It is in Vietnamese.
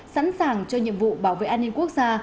sẵn sàng cho nhiệm vụ bảo vệ an ninh quốc gia